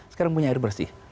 sekarang punya air bersih